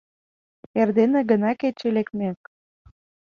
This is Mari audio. Эрден гына, кече лекмек